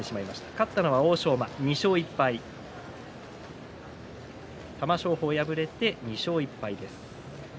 勝ったのは欧勝馬、２勝１敗玉正鳳、敗れて２勝１敗です。